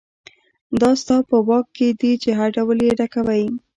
دا ستا په واک کې دي چې هر ډول یې ډکوئ.